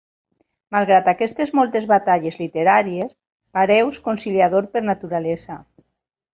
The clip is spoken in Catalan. Malgrat aquestes moltes batalles literàries, Pareus conciliador per naturalesa.